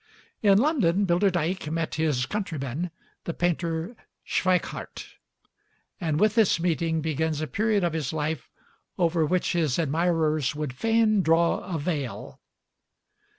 In London Bilderdijk met his countryman the painter Schweikhardt; and with this meeting begins a period of his life over which his admirers would fain draw a veil.